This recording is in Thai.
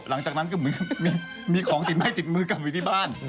หลังจากนั้นก็เหมือนกับมีของติดไม้ติดมือกลับไปที่บ้าน